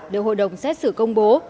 để hội đồng xét xử công bố